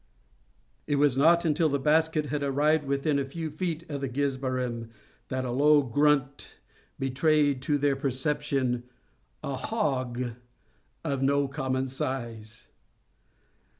It was not until the basket had arrived within a few feet of the Gizbarim that a low grunt betrayed to their perception a hog of no common size.